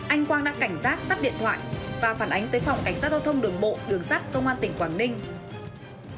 anh quang đã cảnh giác tắt điện thoại và phản ánh tới phòng cảnh sát giao thông đường bộ đường sắt công an tỉnh quảng ninh